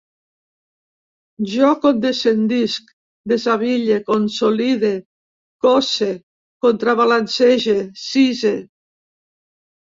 Jo condescendisc, desabille, consolide, cosse, contrabalancege, cise